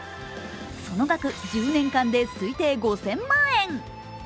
その額、１０年間で推定５０００万円。